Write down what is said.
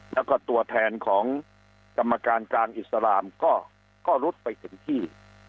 แล้วก็ตัวแทนของกรรมการกลางอิสลามก็รุดไปถึงที่